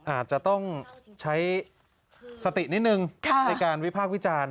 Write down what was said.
อาจจะต้องใช้สตินิดนึงในการวิพากษ์วิจารณ์